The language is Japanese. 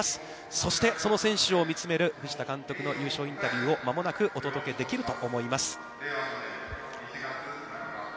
そして、その選手を見つめる藤田監督の優勝インタビューを間もなくお届けできると思います。